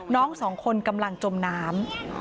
น้องสองคนกำลังจมน้ำ